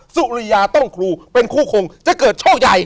สุริยาต้องครูเป็นคู่คงจะเกิดโชคใหญ่